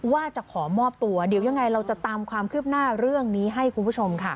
ว่าจะขอมอบตัวเดี๋ยวยังไงเราจะตามความคืบหน้าเรื่องนี้ให้คุณผู้ชมค่ะ